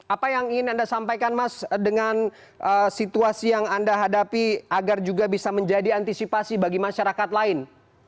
apa yang ingin anda sampaikan mas dengan situasi yang anda hadapi agar juga bisa menjadi antisipasi bagi masyarakat lain